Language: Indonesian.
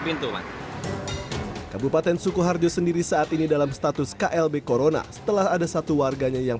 pintu kabupaten sukoharjo sendiri saat ini dalam status klb corona setelah ada satu warganya yang